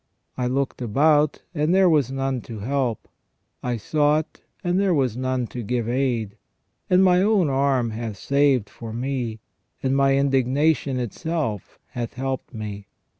I looked about, and there was none to help ; I sought, and there was none to give aid ; and My own arm hath saved for Me, and My indignation itself hath helped Me.